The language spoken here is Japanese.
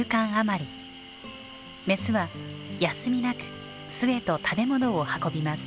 メスは休みなく巣へと食べ物を運びます。